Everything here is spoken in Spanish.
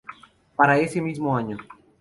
Para ese mismo año.